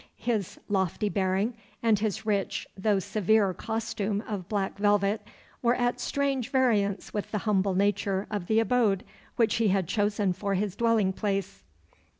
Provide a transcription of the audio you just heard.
His lofty bearing, and his rich though severe costume of black velvet, were at strange variance with the humble nature of the abode which he had chosen for his dwelling place.